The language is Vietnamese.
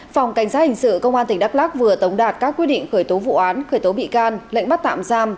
phòng cảnh sát hình sự công an tỉnh đắk lắc vừa tống đạt các quyết định khởi tố vụ án khởi tố bị can lệnh bắt tạm giam